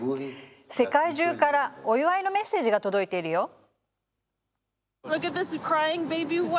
世界中からお祝いのメッセージが届いているよ。